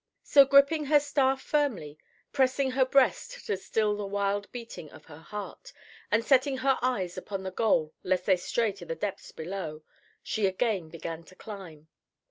So, gripping her staff firmly, pressing her breast to still the wild beating of her heart, and setting her eyes upon the goal lest they stray to the depths below, she again began to climb.